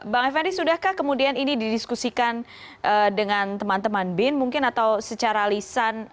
bang effendi sudahkah kemudian ini didiskusikan dengan teman teman bin mungkin atau secara lisan